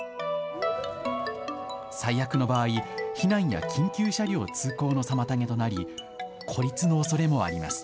最悪の場合、避難や緊急車両通行の妨げとなり孤立のおそれもあります。